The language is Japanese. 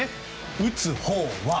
打つほうは。